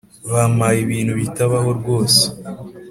Bamaye ibintu bitabaho rwose